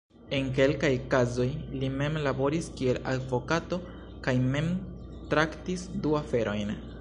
En kelkaj kazoj li mem laboris kiel advokato kaj mem traktis du aferojn.